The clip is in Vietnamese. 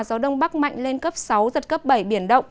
gió đông bắc mạnh lên cấp sáu giật cấp bảy biển động